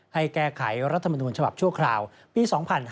ให้แก้ไขรัฐมนูญฉบับชั่วคราวปี๒๕๕๙